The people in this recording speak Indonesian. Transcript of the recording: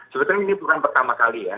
sebetulnya ini bukan pertama kali ya